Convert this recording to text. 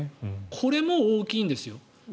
これも大きいんですよ。